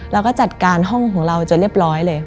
เราก็จัดการห้องของเราจนเรียบร้อยเลย